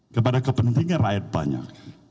kepada kepentingan rakyat banyak